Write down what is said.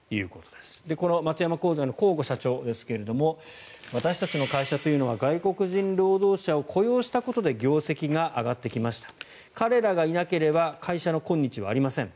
この松山鋼材の向後社長ですが私たちの会社というのは外国人労働者を雇用したことで業績が上がってきました彼らがいなければ会社の今日はありません